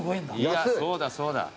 いやそうだそうだ。